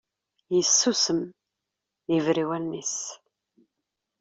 Yessusem, yebra i wallen-is.